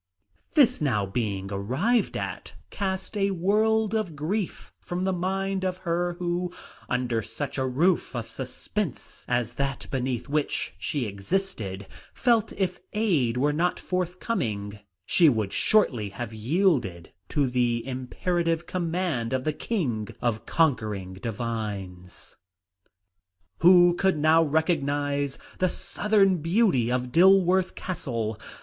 This being now arrived at cast a world of grief from the mind of her who, under such a roof of suspense as that beneath which she existed, felt if aid were not forthcoming, she would shortly have to yield to the imperative command of the King of Conquering Divines. Who could now recognise the "Southern Beauty" of Dilworth Castle?